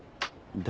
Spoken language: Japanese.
誰？